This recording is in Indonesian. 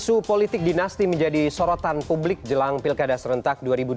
isu politik dinasti menjadi sorotan publik jelang pilkada serentak dua ribu dua puluh